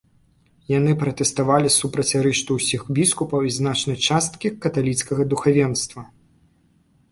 Яны пратэставалі супраць арышту ўсіх біскупаў і значнай часткі каталіцкага духавенства.